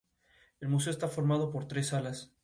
El museo está formado por tres salas.